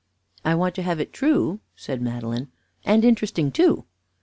"I want to have it true," said Madeline, "and interesting, too."